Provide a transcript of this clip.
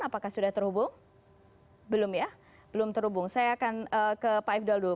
apakah sudah terhubung belum ya belum terhubung saya akan ke pak ifdal dulu